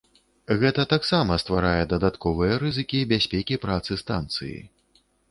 Гэта таксама стварае дадатковыя рызыкі бяспекі працы станцыі.